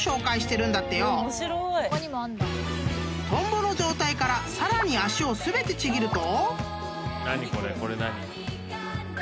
［トンボの状態からさらに脚を全てちぎると］